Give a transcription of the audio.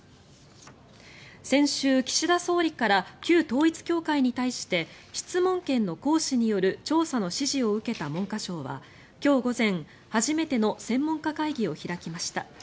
先週、岸田総理から旧統一教会に対して質問権の行使による調査の指示を受けた文科省は今日午前、初めての専門家会議を開きました。